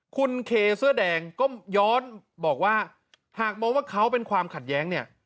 คุณเคเสื้อแดงก็ย้อนบอกว่าหากมองว่าเขาเป็นความขัดแย้งเนี่ย